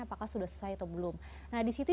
apakah sudah sesuai atau belum nah disitu